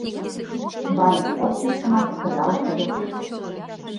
— Валик кок кидшымат кыдалышкыже пыштыш.